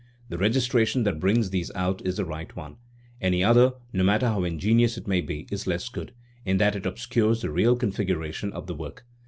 The registration that brings these out is the right one; any other, no matter how in genious it may be, is less good, in that it obscures the real configuration of the work.